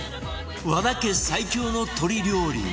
和田家最強の鶏料理